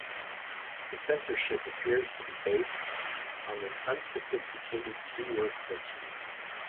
The censorship appears to be based on an unsophisticated keyword filter.